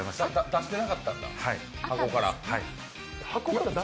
出してなかったんだ？箱から。